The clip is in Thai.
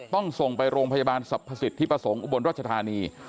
ต้องส่งไปโรงพยาบาลสรรพสิทธิประสงค์อุบลรัชธานี